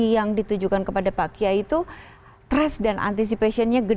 yang paling besar itu ya